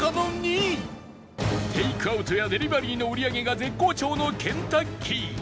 テイクアウトやデリバリーの売り上げが絶好調のケンタッキー